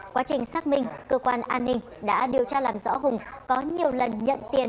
quá trình xác minh cơ quan an ninh đã điều tra làm rõ hùng có nhiều lần nhận tiền